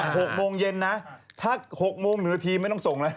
ถ้า๖โมงเย็นถ้า๖โมงหนึ่งนาทีไม่ต้องส่งนะ